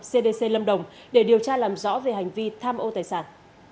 cdc lâm đồng để điều tra làm rõ về hành vi tham ô tài sản